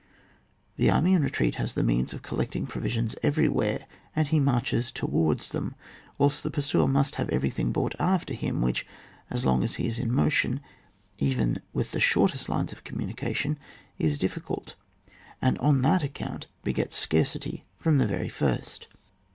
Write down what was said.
The army in retreat has the means of collecting provisions everywhere, and he marches towards them, whilst the pursuer must have everything brought after him, which, as long as he is in motion, even with the shortest lines of communication, is difficult, and on that account begets scarcity from the very first.